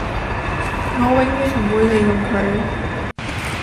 我永遠唔會利用佢